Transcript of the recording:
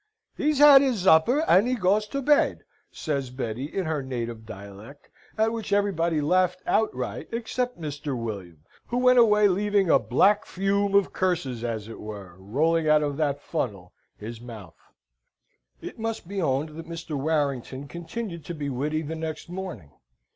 "He's ad his zopper, and he goes to baid!" says Betty, in her native dialect, at which everybody laughed outright, except Mr. William, who went away leaving a black fume of curses, as it were, rolling out of that funnel, his mouth. It must be owned that Mr. Warrington continued to be witty the next morning.